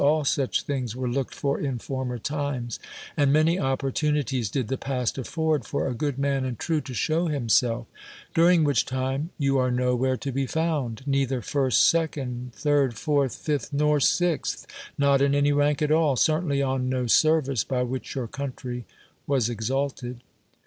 All such things were looked for in former times ; and many opportunities did the past afford for a good man and true to show 'limself; during which time you are nowhere to be found, neither first, second, third, fourth, fifth, nor sixth — not in any rank at all — certainly on no service by which your country was exalted.